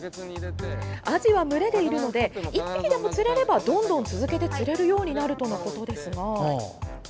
アジは群れでいるので１匹でも釣れればどんどん続けて釣れるようになるとのことですが。